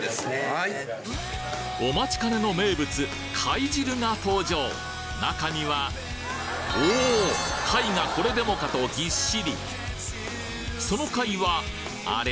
お待ちかねの名物貝汁が登場中にはおお貝がこれでもかとぎっしりその貝はあれ？